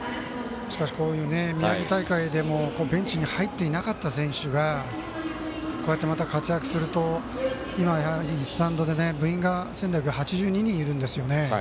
しかし宮城大会でもベンチに入っていなかった選手がこうやってまた活躍すると今、スタンドで部員がたくさんいるんですよね。